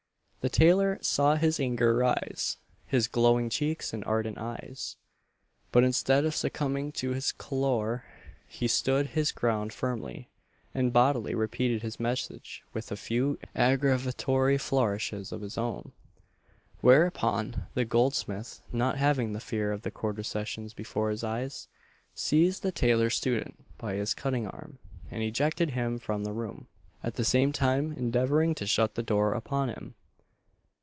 The tailor "saw his anger rise his glowing cheeks and ardent eyes," but, instead of succumbing to his choler, he stood his ground firmly; and boldly repeated his message with a few aggravatory flourishes of his own; whereupon, the goldsmith, not having the fear of the Quarter Sessions before his eyes, seized the tailor student by his cutting arm, and ejected him from the room; at the same time endeavouring to shut the door upon him.